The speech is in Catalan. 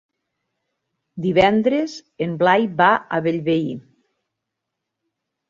Divendres en Blai va a Bellvei.